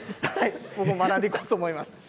僕も学んでいこうと思います。